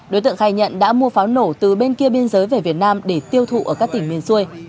đối tượng khai nhận đã mua pháo nổ từ bên kia biên giới về việt nam để tiêu thụ ở các tỉnh miền xuôi